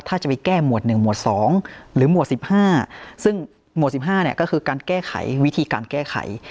ถ้าจะไปแก้หมวด๑หมวด๒หรือหมวด๑๕ซึ่งหมวด๑๕เนี่ยก็คือการแก้ไขวิธีการแก้ไข